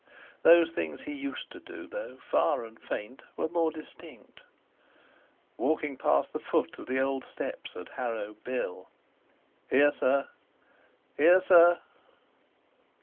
Those things he used to do, though far and faint, were more distinct—walking past the foot of the old steps at Harrow "bill"—"Here, sir! Here, sir!"